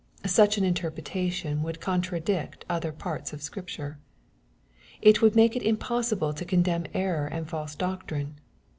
Such an interpreta tion would contradict other parts of Scripture. It would make it impossible to condemn error and false doctrine.